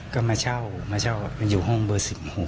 ก็มาเช่าอยู่ห้องเบอร์๑๖